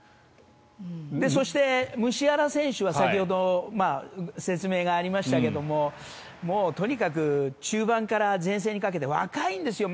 そして、ムシアラ選手は先ほど説明がありましたけどとにかく中盤から前線にかけて若いんですよ。